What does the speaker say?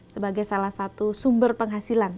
sebagai salah satu sumber penghasilan